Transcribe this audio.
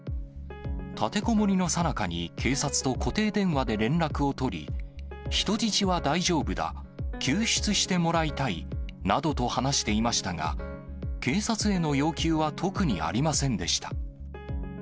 立てこもりのさなかに警察と固定電話で連絡を取り、人質は大丈夫だ、救出してもらいたいなどと話していましたが、警察への要求は特にありませんでした。